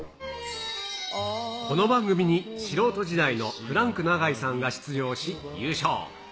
この番組に素人時代のフランク永井さんが出場し、優勝。